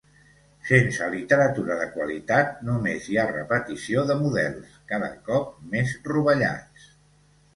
Sense literatura de qualitat només hi ha repetició de models, cada cop més rovellats.